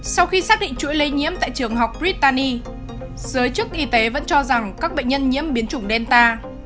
sau khi xác định chuỗi lây nhiễm tại trường học brittany giới chức y tế vẫn cho rằng các bệnh nhân nhiễm biến chủng delta